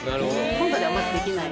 本土ではまずできない。